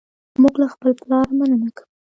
موږ له خپل پلار مننه کوو.